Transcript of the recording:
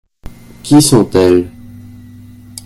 Qui sont-elles ?